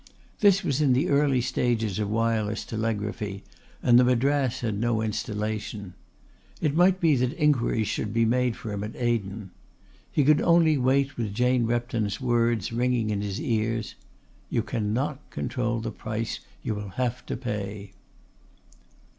This was in the early stages of wireless telegraphy, and the Madras had no installation. It might be that inquiries would be made for him at Aden. He could only wait with Jane Repton's words ringing in his ears: "You cannot control the price you will have to pay."